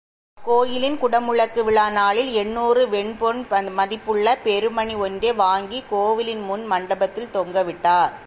அக்கோயிலின் குடமுழக்கு விழா நாளில் எண்ணுாறு வெண்பொன் மதிப்புள்ள பெருமனி ஒன்றை வாங்கிக் கோவிலின் முன் மண்டபத்தில் தொங்கவிட்டார்.